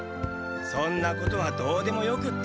そんなことはどうでもよくって。